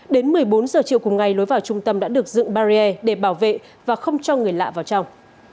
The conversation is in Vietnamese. đến một mươi bốn giờ chiều cùng ngày lối vào trung tâm đã được dựng barrier để bảo vệ và không cho người lạ vào trong